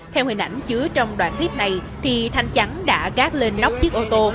theo hình ảnh chứa trong đoạn clip này thì thanh chắn đã gác lên nóc chiếc ô tô